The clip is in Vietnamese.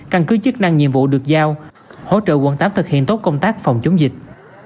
căn cứ chức năng nhiệm vụ được giao hỗ trợ quận tám thực hiện tốt công tác phòng chống dịch